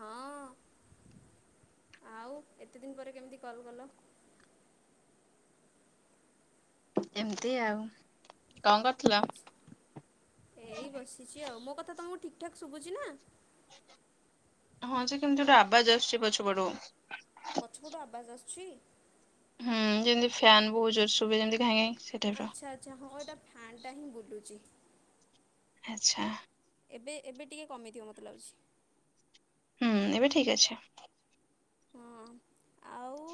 ହଁ ଆଉ ଏତେ ଦିନ ପରେ କେମିତି କଲ୍ କଲ? ଏମତି ଆଉ କଣ କରୁଥିଲ? ଆଚ୍ଛା ଏଇ ବସିଚି ଆଉ ମୋ କଥା ତମକୁ ଠିକ ଠାକ୍ ଶୁବୁଚି ନା? ହଁ ଯେ କେମତି ଗୋଟେ ଆବାଜ ଆସୁଚି ପଛପଟୁ? ପଛପଟୁ ଆବାଜ ଆସୁଚି? ହୁଁ ଯେନ୍ତି ଫ୍ୟାନ୍ ବହୁ ଜୋରେ ଶୁବେ ଯେମତି ଘାଇଁ ଘାଇଁ ସେ ଟାଇପ ର। ଆଚ୍ଛା ଆଚ୍ଛା ହଁ ଏଟା ଫ୍ୟାନ୍ ଟା ହିଁ ବୁଲୁଚି। ଆଚ୍ଛା। ଏବେ ଏବେ ଟିକେ କମିଥିବ ମତେ ଲାଗୁଛି। ହୁଁ ଏବେ ଠିକ ଅଛି। ହଁ ଆଉ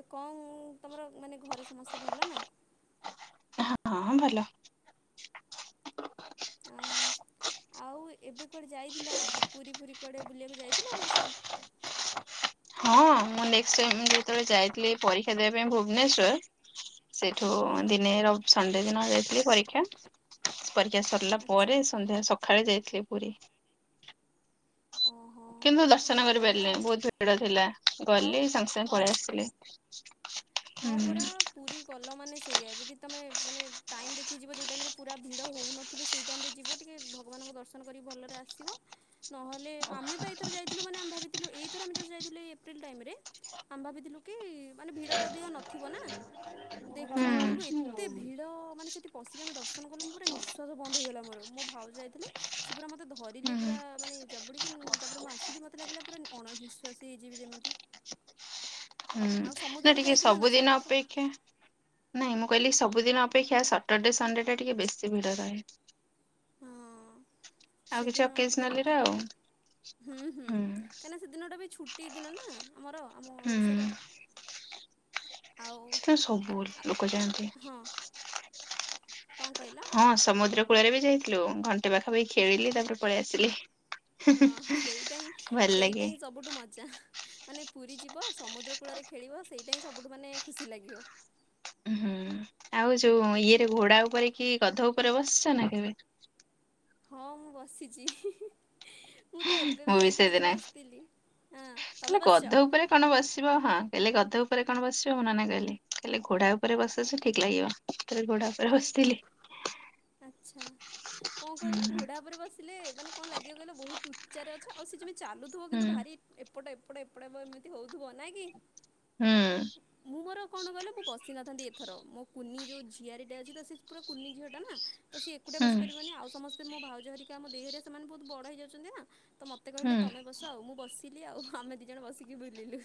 ଏ କଣ ତମର ମାନେ ଘରେ ସମସ୍ତେ ଭଲ ନା? ହଁ ଭଲ। ଓହୋ ଆଉ ଏବେ କୁଆଡ଼େ ଯାଇଥିଲ ପୁରୀ ଫୁରୀ କୁଆଡ଼େ ବୁଲିବାକୁ ଯାଇଥିଲ ବର୍ଷ? ହଁ ମୁଁ ନେଷ୍ଟ ଟାଇମ ଯେତବଳେ ଯାଇଥିଲି ପରୀକ୍ଷା ଦେବା ପାଇଁ ଭୁବନେଶ୍ବର ସେଇଠୁ ହଁ ଦିନେ ର ସଣ୍ଡେ ଦିନ ଯାଇଥିଲି ପରୀକ୍ଷା। ପରୀକ୍ଷା ସରଲା ଆଚ୍ଛା ପରେ ସନ୍ଧ୍ୟା ସଖାଳେ ଯାଇଥିଲି ପୁରୀ। ଓହୋ କିନ୍ତୁ ଦର୍ଶନ ଭଲ ହେଲା କରିପାରିଲିନି ଆଉ ବହୁତ ଭିଡ଼ ଥିଲା ଆଉ ଗଲି ସାଙ୍ଗେ ସାଙ୍ଗେ ପଳେଇ ଆଚ୍ଛା ଆସଥିଲି। ହଁ ପରା‌ ପୁରୀ ଗଲ ମାନେ ସେଇଆ ଯଦି ତମେ ମାନେ ଟାଇମ ଦେଖିକି ଯିବ ଯୋଉ ଟାଇମ ରେ ପୁରା ଭିଡ଼ ହଉନ ଥୁବେ ସେଇ ଟାଇମ୍ ରେ ଯିବ ଟିକେ ଭଗବାନଙ୍କ ଦର୍ଶନ କରି ଭଲରେ ଆସିବ। ନହେଲେ ଆମେ ପା ଏଇଥର ଯାଇଥିଲୁ ମାନେ ଆମେ ଭାବିଥିଲୁ ଏଇଥର ଆମେ ଯୋଉ ଯାଇଥିଲି ଏପ୍ରିଲ ଟାଇମ ରେ ଆମେ ଭାବିଥିଲୁ କି ମାନେ ଭିଡ ତ ଅଧିକ ନଥିବ ନା? ହୁଁ ଦେଖିଲା ବେଳକୁ ଏତେ ଭିଡ ମାନେ ସେଠି ପଶିକି ଆମେ ଦର୍ଶନ କଲୁ ମୁଁ ପୁରା ନିଶ୍ଵାସ ବନ୍ଦ ହେଇଗଲା ମୋର ମୋ ଭାଉ ଯାଇଥିଲେ ସେଏ ପୁରା ମତେ ଧରିଲେ ହୁଁ ପୁରା ମାନେ ଜାବୁଡିକି ତାପରେ ମୁଁ ଆସିଲି ମତେ ଲାଗିଲା ପୁରା ଅଣନିଃଶ୍ବାସୀ ହେଇଯିବି ଯେମିତି ହୁଁ ଆଉ ନା ସମୁଦ୍ରକୁ ଟିକେ ଯାଇଥିଲ ନା ସବୁଦିନ ସମୁଦ୍ର ଅପେକ୍ଷା ନାଇଁ ମୁଁ କହିଲି ସବୁିଦିନ ଅପେକ୍ଷା ସଟର୍ଡେ ସଣ୍ଡେ ଟା ଟିକେ ବେଶୀ ଭିଡ଼ ରହେ ହଁ ଆଉ କିଛି ସେଦିନ ଟିକେ ଅକେଜନାଲିରେ ଅଧିକ ଆଉ ହୁଁ ହୁଁ କାହିଁକି ନା ସେ ଦିନଟା ବି ଛୁଟି ଦିନ ନା ଆମର ଆମ ହୁଁ। ଓଡ଼ିଶାର ଆଉ ସେଥିପାଇଁ ସବୁ ଲୋକ ଯାଆନ୍ତି। ହଁ କଣ କହିଲ ହଁ ସମୁଦ୍ର କୂଳରେ ବି ଯାଇଥିଲୁ ଘଣ୍ଟେ ପାଖାପାଖି ଖେଳିଲି ତାପରେ ପଳେଇ ଆସିଲି ହଁ ସେଇଟା ହିଁ ଭଲ ସେଇଟା ଲାଗେ। ହିଁ ସବୁଠୁ ମଜା ମାନେ ପୁରୀ ଯିବ ସମୁଦ୍ର କୂଳରେ ଖେଳିବ ସେଇଟା ହିଁ ସବୁଠୁ ମାନେ ଖୁସି ଲାଗିବ ହୁଁ ଆଉ ଯୋଉ ଇଏ ରେ ଘୋଡ଼ା ଉପରେ କି ଗଧ ଉପରେ ବସିଛ ନା କେବେ ହଁ ମୁଁ ବସିଛି ମୁଁ ତ ଏବେ ବା ମୁଁ ବି ଯାଇଥିଲି ଯେ ସେଦିନ ବସିଥିଲି ହଁ କହିଲେ ତମେ ଗଧ ବସିଛ ଉପରେ କଣ ବସିବ ହଁ କହିଲେ ଗଧ ଉପରେ କଣ ବସିବ ମେ ନନା କହିଲି କଲେ ଘୋଡ଼ା ଉପରେ ବସିବ ଠିକ୍ ଲାଗିବ ଥରେ ଗୋଡ଼ା ଉପରେ ହଁ ବସିଥିଲି ଆଚ୍ଛା କଣ କହିଲ ହୁଁ ଘୋଡ଼ା ଉପରେ ବସିଲେ ମାନେ କଣ ଲାଗିବ କହିଲ ବହୁତ ଉଚାରେ ଅଛ ଆଉ ସେ ଯେମିତି ଚାଲୁଥିବ ହୁଁ କିନ୍ତୁ ଭାରି ଏପଟେ ଏପଟେ ଏପଟେ ଏମିତି ହଉଥିବ ନାଇଁ କି ହୁଁ ମୁଁ ମୋର କଣ କହିଲ ମୁଁ ବସି ନଥାନ୍ତି ଏଥର ମୋ କୁନି ଯେଉଁ ଝିଆରୀ ଟା ଅଛି ତ ସେ ପୁରା କୁନି ଝିଅଟା ନା ତ ସେଏକୁଟା ବସିପାରିବନି ଆଉ ସମସ୍ତେ ମୋ ଭାଉଜଘରିକା ଆମ ଦେହିଘରିକା ସେମାନେ ବହୁତ ବଡ଼ ହେଇଯାଉଛନ୍ତି ନା ତ ମତେ ହୁଁ କିହିଲେ ତମେ ବସ ଆଉ ମୁଁ ବସି ଥିଲି ଆଉ ଆମେ ଦି ଜଣ ବସିକି ବୁଲିଲୁ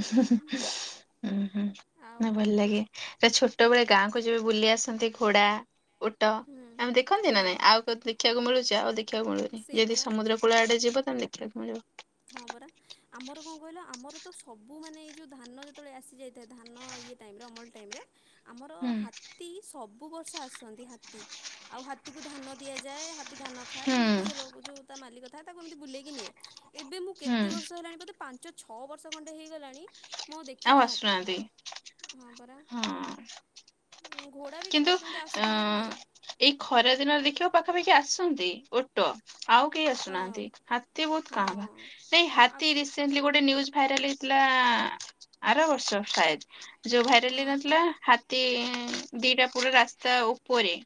ହୁଁ ଆଉ ନା ଭଲ ଲାଗେ ତ ଛୋଟ ହୁଁ ବେଳେ ଗାଁକୁ ଯବେ ବୁଲି ଆସନ୍ତି ଘୋଡ଼ା ଓଟ ହୁଁ ଆମେ ଦେଖନ୍ତି ନା ହଁ ନାଇଁ ଆଉ ଦେଖିବାକୁ ମିଳୁଛି ଆଉ ଦେଖିବାକୁ ମିଳୁନି ସେଇ ଯଦି ପରା। ସମୁଦ୍ର କୁଳା ଆଡ଼େ ଯିବ ତାହେଲେ ଦେଖିବାକୁ ମିଳିବ ହଁ ପରା ଆମର କଣ କହିଲ ଆମର ତ ସବୁ ମାନେ ଏଇ ଯୋଉ ଧାନ ଯେତେବେଳେ ଆସି ଯାଇଥାଏ ଧାନ ଇଏ ଟାଇମିରେ ଅମଳ ଟାଇମିରେ ଆମର ହୁଁ ହାତୀ ସବୁ ବର୍ଷ ଆସନ୍ତି ହାତୀ ଆଉ ହାତୀକୁ ଧାନ ଦିଆଯାଏ ଧାନ ଖାଏ ହୁଁ ଏମିତି ସେ ଯୋଉ ତା ମାଲିକ ଥାଏ ତାକୁ ଏମିତି ବୁଲେଇକି ନିଏ ଏବେ ମୁଁ କେତେ ହୁଁ ବର୍ଷ ହେଲାଣି ବୋଧେ ପାଞ୍ଚ ଛଅ ବର୍ଷ ଖଣ୍ଡେ ହେଇଗଲାଣି ମୁଁ ଆଉ ଦେଖିନି ହାତୀ ଆସୁନାହାନ୍ତି ହଁ ପରା ହଁ। ଘୋଡ଼ା ବି କିନ୍ତୁ କେତେବେଳେ କେମିତି ଅ ଆସୁଥିଲେ ନାଇଁ ଏଇ ଖରା ଦିନରେ ଦେଖିବ ପାଖାପାଖି ଆସନ୍ତି ଓଟ ଓଟ ଆଉ କେହି ହଁ ଆସୁନାହାନ୍ତି ହାତୀ ବହୁତ ହଁ କମ୍ ନାଇଁ ଆଗ ହାତୀ ରିସେର୍ଣ୍ଣ ଗୋଟେ ନିୟୁଜୁ ଭାଇରାଲେ ହେଇଥିଲା ଆର ବର୍ଷ ସାଏଦେ ଯୋଉ ହଁ ଭାଇରାଲେ ହେଇନଥିଲା ହାତୀ ଦିଟା ପୁରୁ ରାସ୍ତା ଉପରେ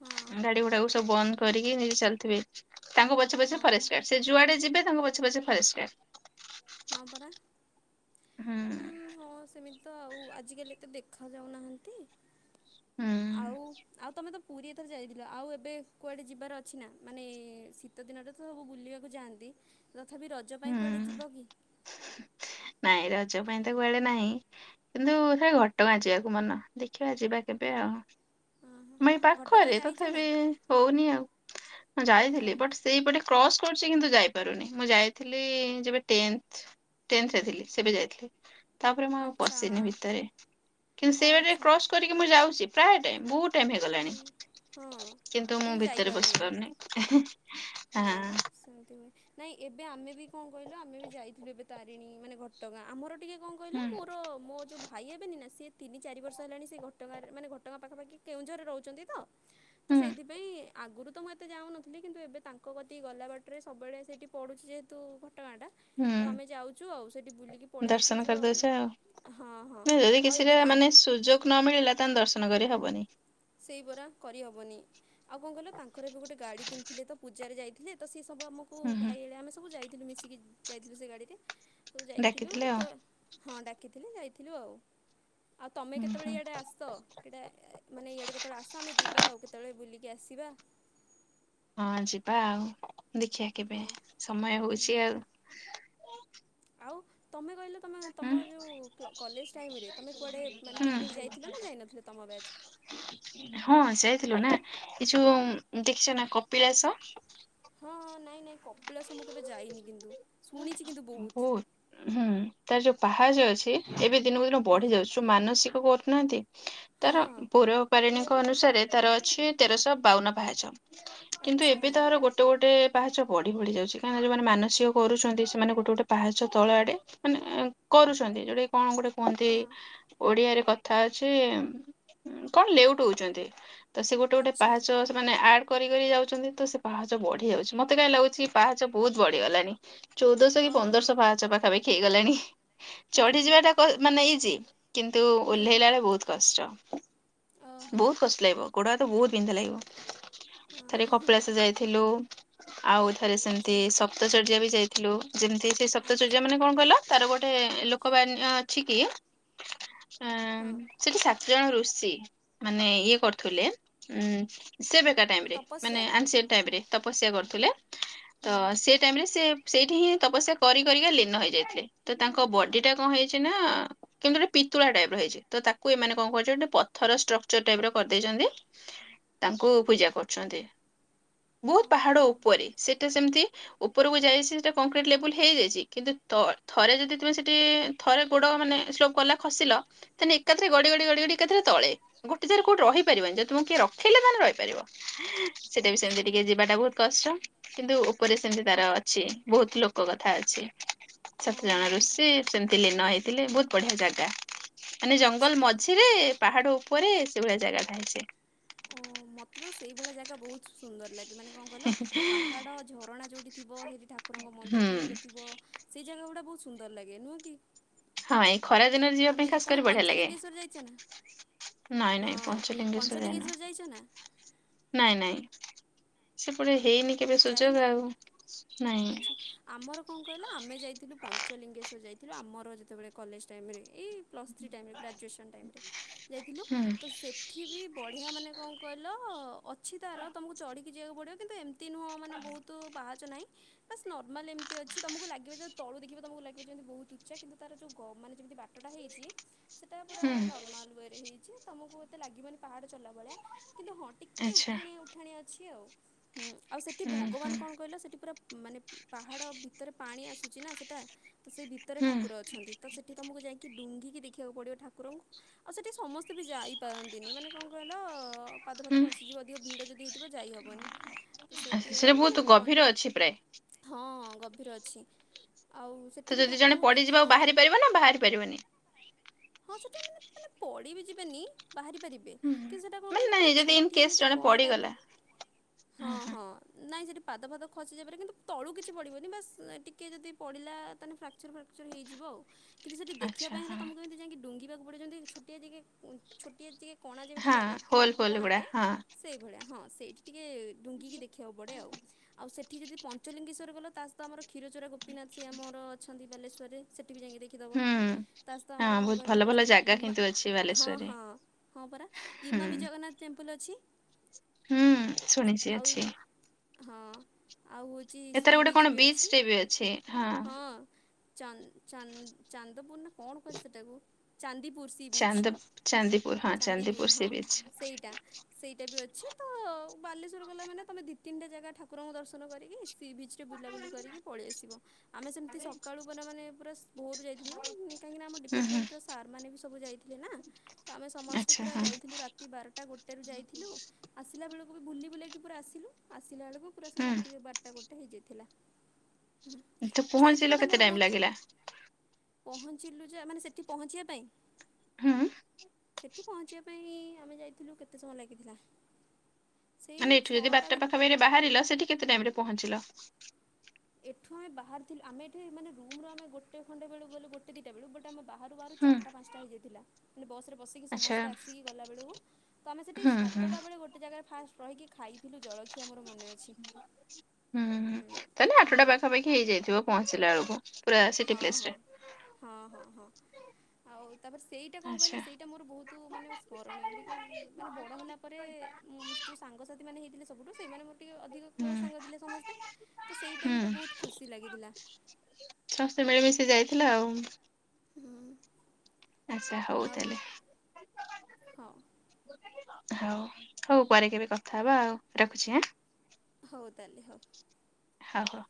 ହଁ ଗାଡ଼ି ଘେଡାକୁ ସବୁ ବନ୍ଦ କରିକି ନେଇକି ଚାଲିଥିବେ ତାଙ୍କ ପଛେ ପଛେ ହଁ ପରା ଫରେଷ୍ଟ ଗାର୍ଡ ସେ ଯୁଆଡ଼େ ଯିବେ ତାଙ୍କ ପଛ ପଛେ ଫରେଷ୍ଟ ଗାର୍ଡ଼ ହଁ ପରା ହୁଁ ହଁ ସେମିତି ତ ଆଉ ଆଜିକାଲି ଏତେ ଦେଖାଯାଉନାହାନ୍ତି ହୁଁ। ଆଉ ଆଉ ତମେ ତ ପୁରୀଥର ଯାଇଥିଲ ଆଉ ଏବେ କୁଆଡ଼େ ଯିବାର ଅଛି ନା ମାନେ ଶୀତଦିନରେ ତ ସବୁ ବୁଲିବାକୁ ଯାଆନ୍ତି ତଥାପି ରଜ ପାଇଁ କୁଆଡ଼େ ହୁଁ ଯିବ କି ନାଇଁ ରଜ ପାଇଁ ତ କୁଆଡ଼େ ନାହିଁ କିନ୍ତୁ ସେ ଘଟଗାଁ ଯିବାକୁ ମନ ଦେଖିବା ଯିବା କେବେ ଆଉ ଓହୋ ଆମ ଏଇ ଘଟଗାଁ ପାଖରେ ଯାଇଛ ନା? ତଥାପି ହଉନି ଆଉ ମୁ ଓହୋ ଯାଇଥିଲି ବଟ୍ ସେଇପଟେ କ୍ରସ୍ କରୁଛି କିନ୍ତୁ ଯାଇପାରୁନି ମୁଁ ଯାଇ ଥିଲି ଯେବେ ଟେନ୍ଥେ ଟେନ୍ଥରେଥିଲି ସେବେ ଯାଇଥିଲି। ତାପରେ ମୁଁ ଆଉ ଆଚ୍ଛା ପଶିନି ଭିତରେ କିନ୍ତୁ ଓ ସେଇବାଟେ ଆଚ୍ଛା କ୍ରସ୍ କରି କି ମୁଁ ଯାଉଚି ପ୍ରାୟ ଟାଇମ୍ ବହୁତ୍ ଟାଇମ୍ ଉଁ, ହେଇଗଲାଣି ହଁ। କିନ୍ତୁ ମୁଁ ଭିତରେ ବସି ପାରୁନି। ଏ ହେ ହଁ ସେମିତି ହୁଏ ନାଇଁ ଏବେ ଆମେବି କଁ କହିଲ ଆମେବି ଯାଇଥିଲୁ ଏବେ ତାରିଣୀ ମାନେ ଘ ଘଟଗାଁ ଆମର ଟିକେ କଁ କହିଲ ହୁଁ ମୋର ମୋଯୋଉ ଭା ଭାଇ ହେବେନିନା ସିଏ ତିନି ଚାରି ବର୍ଷ ହେଲାଣି ସେ ଘଟଗାରେ ମାନେ ଘଟଗାଁ ପାଖାପାଖି କେଉଁଝରେ ରହୁଚନ୍ତିତ ତ ହୁଁ ସେଥିପାଇଁ ଆଗରୁତ ମୁଁ ଏତେ ଯାଉନଥିଲି କିନ୍ତୁ ଏବେ ତା ତାଙ୍କ କତିକି ଗଲା ବାଟରେ ସବୁବେଳେ ସେଇଟି ପଡ଼ୁଚି ଯେହେତୁ ଘଟଗାଁଟା ତ ହୁଁ। ଆମେ ଯାଉଚୁ ଆଉ ସେଠି ବୁଲିକି ପଳେଇ ଦର୍ଶନ ଆସୁଚୁ ଆଉ। କରିଦଉଛେ ହଁ ହଁ ନା ଯଦି ଆଉ କିଛିଟା ଏବେ ତା ମାନେ ସୁଯୋଗ ନ ମିଳିଲା ତାହେନେ ଦର୍ଶନ କରିହବନି। ସେଇ ପରା କରିହବନି ଆଉ କଁ କହିଲ ତାଙ୍କର ଏବେ ଗୋଟେ ଗାଡ଼ି କିଣିଥିଲେତ ପୂ ପୂଜାରେ ଯାଇଥିଲେ ତସିଏ ସବୁ ଆମକୁ ହୁଁ ହୁଁ ଭାଇଳେ ଆମେ ସବୁ ଯାଇଥିଲୁ ମିଶିକି ଯାଇଥିଲୁ ସେଗାଡ଼ିରେ ସବୁ ଯାଇଥିଲୁ ଡାକିଥିଲେ ତ ଆଉ ହଁ ଡାକିଥିଲି ଯାଇଥିଲୁ ଆଉ ଆଉ ତମେ ହୁଁ କେତେବେଳେ ହୁଁ ଇଆଡ଼େ ଆସ ଏଟା ମାନେ ଇଆଡ଼େ କେତେବେଳେ ଆସ ଆମେ ଯିବା ଆଉ କେତେବେଳେ ବୁଲିକି ଆସିବା ହଁ ଯିବା ଆଉ ଦେଖିଆ କେବେ ହଁ ସମୟ ହଉଚି ଆଉ। ଆଉ ତମେ କହିଲ ତମେ ହୁଁ। ତମ ଯୋଉ କ କଲେଜ୍ ଟାଇମରେ ତମେ କୁଆଡ଼େ ମାନେ ପିକନିକ୍ ହୁଁ ଯାଇଥିଲନା ଯାଇନଥିଲେ ତମ ବ୍ୟାଚ୍? ହଁ ଯାଇଥିଲୁନା ଏଇଯୋଉ ଦେଖିଚନା କପିଳାସ ହଁ ହଁ ନାଇଁ ନାଇଁ କପିଳାସ ମୁଁ କେବେ ଯାଇନି କିନ୍ତୁ ଶୁଣିଚି କିନ୍ତୁ ବହୁତ୍। ବହୁତ ହୁଁ ତାର ଯୋଉ ପାହାଚ ଅଛି ଏବେ ଦିନକୁ ଦିନ ହଁ ବଢି ଯାଉଚି ଯୋଉ ମାନସିକ କରୁନାହାନ୍ତି ହଁ ତାର ହଁ ପୈରବ ପାରେ ଅନୁସାରେ ତାର ଅଛି ତେରଶହ ବାଉନ ଭାଜ କିନ୍ତୁ ଏବେ ଆଚ୍ଛା ତାର ଗୋ ଗୋଟେ ଗୋଟେ ପାହାଚ ବଢିବଢି ଯାଉଚି କାଁକିନା ଯୋଉ ମାନେ ମାନସିକ କରୁଛନ୍ତି ସେମାନେ ଗୋଟେ ଗୋଟେ ପାହାଚ ତଳ ଆଡ଼େ ମାନେ କରୁଚନ୍ତି ଯୋ କଣ ଗୋଟେ କୁହନ୍ତି ହଁ ଓଡ଼ିଆରେ କ ଥା ଅଛି କଁ ଲେଉଟଉଚନ୍ତି ତସେ ଗୋଟେ ଗୋଟେ ଆଚ୍ଛା ପାହାଚ ସେମାନେ ଆଡ଼ କରିକ ଯାଉଚନ୍ତି ତସେ ପାହାଚ ବଢି ଯାଉଚି ମତେ କାହିଁ ଲାଗୁଚି ପାହାଚ ବହୁତ୍ ବଢିଗଲାଣି‌ ଚଉଦଶହକି ଓହୋ ପନ୍ଦରଶହ ପାହାଚ ପାଖାପାଖି ହେଇଗଲାଣି ହଁ ଚଢିଯିବାଟା ମାନେ ଇଜି କିନ୍ତୁ ହୁଁ ଓହ୍ଲେଇଲା ବେଳେ ବହୁତ୍ କଷ୍ଟ ଓହୋ ବହୁତ୍ କଷ୍ଟ ଲାଗିବ ଗୋଡ଼ ହାତ ବହୁତ୍ ବିନ୍ଧା ଲାଗିବ ଥରେ ହଁ କପିଳାସ ଯାଇଥିଲୁ ଆଉ ଥରେ ସେମିତି ଆଚ୍ଛା ସପ୍ତଚର୍ଯ୍ୟାବି ଯାଇଥିଲୁ ଯେମିତି ସେ ସପ୍ତଚର୍ଯ୍ୟା ଆଚ୍ଛା ମାନେ କଁ କହିଲ ତାର ଗୋଟେ ଲୋକ ବାନ୍ୟ ଅଛିକି ଆ ହଁ ସେଠି ସାତ ଜଣ ଋଷି ମାନେ ଇଏ କରୁଥିଲେ ଉଁ ସେ ଏକା ଟାଇମରେ ମାନେ ତପସ୍ୟା ଆନ୍ସେଟ ଟାଇମରେ ତପସ୍ୟା କରୁଥିଲେ ହୁଁ ତସେଟାଇମରେ ସେ ସେଇଠି ହିଁ ତପସ୍ୟା କରି କରିକି ଲୀନ ହେଇଯାଇଥିଲେ ତତାଙ୍କ ବଡିଟା କଣ ହେଇଚିନା କିନ୍ତିତି ଗୋଟେ ପିତୁଳା ଟାଇପର ହେଇଚିତ ତାକୁ ଏମାନେ କଣ କରୁଚନ୍ତି ଗୋଟେ ପଥର ଷ୍ଟ୍ରକ୍ଚର ଟାଇପର କରିଦେଇଚନ୍ତି ତାଙ୍କୁ ପୂଜା କରୁଚନ୍ତି। ବହୁତ୍ ଓହୋ ପାହାଡ଼ ଉପରେ ସେଟା ସେମିତି ଉପରକୁ ଯାଇଚି ସେ କଂକ୍ରିଟ୍ ଲେବୁଲ୍ ହେଇଯାଇଚି କିନ୍ତୁ ତ ଥରେ ଯଦି ତୁମେ ସେଠି ଥରେ ଗୋଡ଼ ମାନେ ସ୍ଲୋପ୍ କଲା ଖସିଲ ତାହେଲେ ଏକାଥରେ ଗଡ଼ି ଗଡ଼ି ଗଡ଼ି ଗଡ଼ି ଏକାଥରେ ତଳେ ଗୋଟୋ ଜାଗାରେ କୋଉଠି ରହିପାରିବନି ଯେଦି ତମକୁ କିଏ ରଖେଇଲା ତାହେଲେ ରହିପାରିବ। ସେଟାବି ସେମିତି ଆଚ୍ଛା ଟିକେ ଯିବାଟା ବହୁତ୍ କଷ୍ଟ କିନ୍ତୁ ଉପରେ ସେମିତି ତାର ଅଛି ବହୁତ୍ ଲୋକ କଥା ଅଛି ସାତ ଜଣ ଓହୋ ରଋଷି ସେମିତି ଲୀନ ହେଇ ତିଲେ ବହୁତ ବଢ଼ିଆ ଜାଗା ମାନେ ଜଙ୍ଗଲ ଆଚ୍ଛା ମଝିରେ ପାହାଡ଼ ଉପରେ ସେଭଳିଆ ଜାଗା ଥାଏ ସେ। ଓ ମୋତେ ତ ସେଇ ଭଳିଆ ଜାଗା ବୋହୁତ ସୁନ୍ଦର ଲାଗେ ମାନେ କଁ କହିଲ ପାହାଡ଼ ଝରଣା ଯୋଉଠି ଥିବ ସେଇଠି ଠାକୁରଙ୍କ ମନ୍ଦିର ହୁଁ ଫନ୍ଦିର ଥିବ। ସେଇ ଜାଗା ଉଡା ବୋହୁତ ସୁନ୍ଦର ଲାଗେ, ନୁହଁ କି? ହଁ ଏଇ ଖରା ଦିନରେ ଯିବା ଆମେ ପାଇଁ ଖାସ ତମେ କରି ବଢ଼ିଆ ଲାଗେ। ପଞ୍ଚଲିଙ୍ଗେଶ୍ୱର ଯାଇଛ ନା ନାଇଁ ନାଇଁ ହଁ ପଞ୍ଚଲିିଙ୍ଗେଶ୍ବର ଯାଇନ। ପଞ୍ଚଲିଙ୍ଗେଶ୍ୱର ଯାଇଛ ନା ନାଇଁ ନାଇଁ ସେପଟେ ହେଇନି କେବେ ସୁଯୋଗ ଯାଇନ ଆଉ ନାଇଁ। ଆଚ୍ଛା ଆମର କଁ କହିଲ ଆମେ ଯାଇଥିଲୁ ପଞ୍ଚଲିଙ୍ଗେଶ୍ୱର ଯାଇଥିଲୁ ଆମର ଯେତବେଳେ କଲେଜ ଟାଇମ୍ ରେ ଏଇ ପ୍ଲସ୍ ଥ୍ରୀ ଟାଇମ୍ ରେ ଗ୍ରାଜୁଏସନ୍ ଟାଇମ୍ ରେ ଯାଇଥିଲୁ ହୁଁ ତ ସେ ଠି ବି ବଢ଼ିଆ ମାନେ କଁ କହିଲ ଅଛି ତାର ତମୁକୁ ଚଢ଼ିକି ଯିବାକୁ ପଡ଼ିବ କିନ୍ତୁ ଏମ ତି ନୁହଁ ମାନେ ବୋହୁତୁ ପାହାଚ ନାହିଁ। ବାସ୍ ନର୍ମାଲ ଏମତି ଅଛି ତମୁକୁ ଲାଗିବ ଯେ ତଳୁ ଦେଖିବ ତମୁକୁ ଲାଗିବ ଯେମତି ବୋହୁତ ଉଚ୍ଚା କିନ୍ତୁ ତାର ଯୋଉ ଗ ମାନ ଯେମିତି ବା ଟଟା ହେଇଚି ସେଟା ପୁରା ହୁଁ ନର୍ମାଲ୍ ୱେରେ ହେଇଚି ତୁମକୁ ଏତେ ଲାଗିବନି ପାହାଡ଼ ଚଢ଼ିଲା ଭଳିଆ କିନ୍ତୁ ହଁ ଟିକେ ଆଚ୍ଛା ଉଠାଣିଆ ଉଠାଣିଆ ଅଛି ଆଉ ହୁଁ ଆଉ ସେଠି ହୁଁ ଭଗବାନ ହୁଁ କଣ କହିଲ ସେଠି ପୁରା ମାନେ ପାହାଡ଼ ଭିତରେ ପାଣି ଆସୁଚି ନା ସେଟା ତ ସେଇ ଭିତରେ ହୁଁ ଠାକୁର ଅଛନ୍ତି। ତ ସେଠି ତମୁକୁ ଯାଇକି ଡୁଙ୍ଗିକି ଦେଖିବାକୁ ପଡ଼ିବ ଠାକୁରଙ୍କୁ। ଆଉ ସେଠି ସମସ୍ତେ ବି ଯାଇପାରନ୍ତିନି ମାନେ କଁ କହିଲ ପାଦ ଫାଦ ହୁଁ ଖସିଯିବ ଅଧିକ ଭିଡ଼ ଯଦି ହେଇଥିବ ଯାଇ ହବନି। ତ ସେଇଠି ଆଚ୍ଛା ହୁଏ ସେଟା ନହେଲେ ବହୁତ ପଁ ଗଭୀର ଅଛି ପ୍ରାୟ। ହଁ ଗଭୀର ଅଛି ଆଉ ସେଠି ତ ବି ଯଦି ଜଣେ ଠାକୁରଙ୍କୁ ପଡ଼ିଯିବ ଆଉ ଦେଖିବା ବାହାରି ପାରିବ ନା ବାହାରି ପାରିବନି? ହଁ ସେଠି ମାନେ ମାନେ ପଡିି଼ ବି ଯିବେନି ବାହାରି ପାରି ବେ ହୁଁ କିନ୍ତୁ ସେଟା କଁ ମାନେ କହିଲ ନାଇଁ ପୁରା ଯଦି ଇନ ଛୋଟିଆ କେସ୍ ଏମିତି ଜଣେ କଣା ଟାଇପ୍ ପଡିଗଲା ର ହଁ। ହଁ ନାଇଁ ସେଠି ପାଦ ଫାଦ ଖସି ଯାଇପାରେ କିନ୍ତୁ ତଳୁ କିଛି ପଡ଼ିବନି ବାସ୍ ଟିକେ ଯଦି ପଡ଼ିଲା ତାନେ ଫା ଚର ଫାକ୍ଚର ହେଇଯିବ ଆଉ। କିନ୍ତୁ ସେଠି ଦେଖିବା ଆଚ୍ଛା ପାଇଁ ହେଲେ ହଁ। ତମୁକୁ ଏମିତି ଯାଇକି ଡୁଙ୍ଗିବାକୁ ପଡ଼ିବ ଯେମିତି ଛୋଟିଆ ଟିକେ ଉଁ ଛୋଟିଆ ଟିକେ କଣା ଯେମିତି ହଁ ଜାଗା ଉଁ ହୋଲ ଫୋଲ ଗୁଡା କଣାଟେ ହଁ ସେଇଭଳିଆ ହଁ ସେଇଠି ଟିକେ ଡୁଙ୍ଗିକି ଦେ ଅ ବଡ଼େ ଆଉ। ଆଉ ସେଠି ଯଦି ପଞ୍ଚଲିଙ୍ଗେଶ୍ଵର ଗଲ ତା ସହିତ ଆମର କ୍ଷୀରଚୋରା ଗୋପୀନାଥ ସିଏ ଆମର ଅଛନ୍ତି ବାଲେଶ୍ଵରରେ ସେଠି ବି ଯାଇଁକି ଦେ ଖିଦବ ହୁଁ। ତା ସହିତ ଆମର ହଁ କଁ ବହୁତ କହିଲ ଭଲ ଭଲ ଅଛନ୍ତି ଜାଗା ଇମା କିନ୍ତୁ ଅଛି ହଁ ବାଲେଶ୍ଵରରେ ହଁ। ହଁ ପରା ହୁଁ। ଇମାମି ଜଗନ୍ନାଥ ଟେମ୍ପଲ୍ ଅଛି। ହୁଁ ଶୁଣିଚି ଆଉ ଅଛି। ହଁ ଆଉ ହୋଉଚି ଏଥର ସି ଗୋଟେ ବିଚ୍ କଣ ବି ଅଛି ଟେ ବି ଅଛି ହଁ। ଚଁ ଚାନ୍ ଚାନ୍ଦପୁର ନା କଣ କୁହାଯାଏ ସେଟାକୁ? ଚାନ୍ଦିପୁର ସି ବିଚ୍ ଚାନ୍ଦ ଚାନ୍ଦିପୁର ହଁ ଚାନ୍ଦିପୁର ସି ହଁ ବିଚ୍ ସେଇଟା। ସେଇଟା ବି ଅଛି ତ ବାଲେଶ୍ୱର ଗଲା ମାନେ ତମେ ଦି ତିନିଟା ଜାଗା ଠାକୁରଙ୍କୁ ଦର୍ଶନ କରିକିି ସି ବିଚ୍ ରେ ବୁଲାବୁଲି କରିକି ପଳିଆସିବ। ଆମେ ସେମତି ସକାଳୁ ପରା ମାନେ ପୁରା ସ୍ ଭୋରୁ ଯାଇଥିଲୁ ନା କାହିଁକି ନା ଆମ ହୁଁ ହୁଁ ଡିପାର୍ଟମେଣ୍ଟର ସାର୍ ମାନେ ବି ସବୁ ଯାଇଥିଲେ ନାଁ ତ ଆମେ ସମସ୍ତେ ଆଚ୍ଛା ପୁରା ହଁ ଯାଇଥିଲୁ ରା ତି ବାରଟା ଗୋଟେରୁ ଯାଇଥିଲୁ ଆସିଲା ବେଳୁକୁ ବି ବୁଲି ବୁଲାଇକି ପୁରା ଆସିଲୁ ଆସିଲା ଅଳୁକୁ ପୁର ସେଇ ରାତି ହୁଁ ବାରଟା ଗୋଟେ ହେଇଯାଇଥିଲା। ତ ସେଇ ପହଞ୍ଚିଲ ଥରଟା ମୋର କେତେ ଟାଇମ ଭୋଉତ୍ ଲାଗିଲା ପହଞ୍ଚିଲୁ ଯେ ମାନେ ସେଠି ପହଞ୍ଚିବା ପାଇଁ? ହୁଁ। ସେଠି ପହଞ୍ଚିବା ପାଇଁ ଆମେ ଯାଇଥିଲୁ, କେତେ ସମୟ ଲାଗିଥିଲା! ସେଇ ମାନେ ଏଠୁ ଯଦି ଛଅଟା ବାରଟା ଭିତ ପାଖାପାଖିରେ ବାହାରିଲ, ସେଠି କେତେ ଟାଇମ୍ ରେ ପହଞ୍ଚିଲ? ଏଠୁ ଆମେ ବାହାରଥିଲୁ ଆମେ ଏଠି ମାନେ ରୁମ୍ ରୁ ଆମେ ଗୋଟେ ଖଣ୍ଡେ ବେଳୁ ଗଲୁ। ଗୋ ଟେ ଦିଟା ବେଳୁ, ବଟ୍ ଆମେ ବାହାରୁ ବାହାରୁ ହୁଁ ଚାର୍ ଟା ପାଞ୍ଚଟା ହେଇଯାଇଥିଲା। ମାନେ ବସ୍ ରେ ବସିକି ଆଚ୍ଛା ସମସ୍ତେ ଆସିକି ଗଲାବେଳକୁ, ତ ଆମେ ସେଇଠି ହୁଁ ହୁଁ ସାତଟା ବେଳେ ଗୋଟେ ଜାଗାରେ ଫାଷ୍ଟ୍ ରହିକି ଖାଇଥିଲୁ ଜଳଖିଆ ମୋର ମନେ ଅଛି, ହୁଁ। ତାହେଲେ ହୁଁ ଆଠଟା ପାଖାପାଖି ହେଇଯାଇଥିବ, ପହଞ୍ଚିଲା ଅ ଳକୁ। ହଁ ହଁ ହଁ ହଁ ହଁ ଆଉ ତା'ପରେ ସେଇ ଟା କଣ କହିଲ, ଆଚ୍ଛା ସେଇଟା ମୋର ବହୁତ ମାନେ ସ୍ମରଣୀୟ ବିକଜ୍ ମାନେ ବଡ଼ ହେଲା ପରେ-ଏ ଉଁ ଯଉ ସାଙ୍ଗସାଥି ମାନେ ହେଇଥିଲେ ସବୁଠୁ। ସେଇମାନେ ମୋର ଟିକେ ଅଧିକ କ୍ଲୋଜ୍ ସାଙ୍ଗ ହୁଁ ଥିଲେ ସମସ୍ତେ। ତ, ସେଇ ହୁଁ ଟାଇମ୍ଟା ବହୁତ ଖୁସି ଲାଗିଥିଲା। ଶସ୍ତ୍ୟେ ମିଳେ ମିଶି ଯାଇଥିଲା ଆଉଁ। ହୁଁ-ହୁଁ-ହୁଁ। ଆଚ୍ଛା, ହଉ ତାଲେ। ହଁ। ହଉ, ହଉ ପରେ କେବେ କଥା ହବା ଆଉ? ରଖୁଛିଁ ଆଁ! ହଉ, ତାଲେ ହଉ। ହଉ, ହଉ।